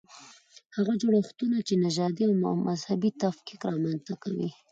هغه جوړښتونه چې نژادي او مذهبي تفکیک رامنځته کوي.